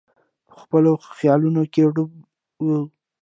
په خپلو خیالونو کې ډوب وو.